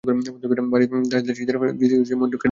বাড়ির দাসদাসীদের দৃষ্টি হইতেও সে মহেন্দ্রকে ঢাকিয়া রাখিতে চায়।